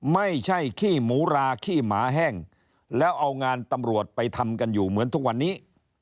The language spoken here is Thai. ขี้หมูราขี้หมาแห้งแล้วเอางานตำรวจไปทำกันอยู่เหมือนทุกวันนี้